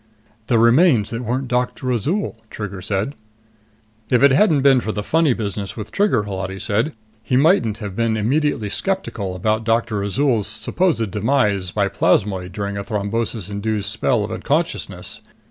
"The remains that weren't Doctor Azol," Trigger said. If it hadn't been for the funny business with Trigger, Holati said, he mightn't have been immediately skeptical about Doctor Azol's supposed demise by plasmoid during a thrombosis induced spell of unconsciousness.